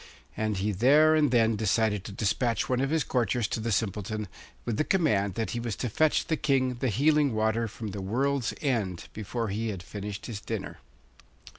And he there and then decided to despatch one of his courtiers to the Simpleton, with the command that he was to fetch the King the healing water from the world's end before he had finished his dinner.